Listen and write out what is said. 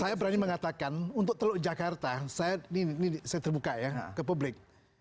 saya berani mengatakan untuk teluk jakarta ini saya terbuka ya ke publik